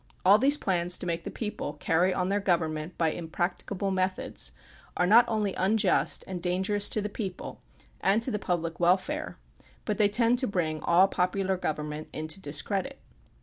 All these plans to make the people carry on their government by impracticable methods are not only unjust and dangerous to the people and to the public welfare, but they tend to bring all popular govern ment into discredit.